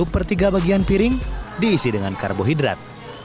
satu per tiga bagian piring diisi dengan karbohidrat